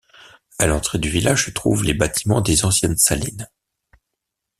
À l'entrée du village se trouvent les bâtiments des anciennes salines.